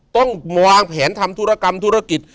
ต้องวางแผนทำธุรกรรมธุรกิจ